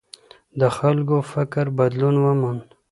د خلګو فکر بدلون وموند.